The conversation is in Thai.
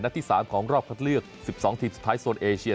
ที่๓ของรอบคัดเลือก๑๒ทีมสุดท้ายโซนเอเชีย